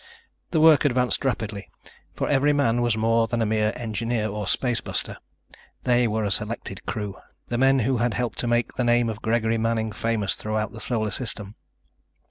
The work advanced rapidly, for every man was more than a mere engineer or spacebuster. They were a selected crew, the men who had helped to make the name of Gregory Manning famous throughout the Solar System.